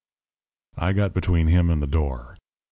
"I got between him and the door.